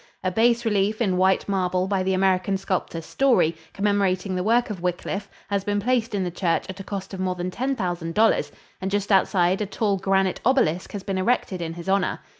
A bas relief in white marble by the American sculptor, Story, commemorating the work of Wyclif, has been placed in the church at a cost of more than ten thousand dollars, and just outside a tall granite obelisk has been erected in his honor.